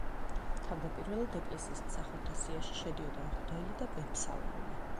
თავდაპირველად ეკლესიის მსახურთა სიაში შედიოდა მღვდელი და მეფსალმუნე.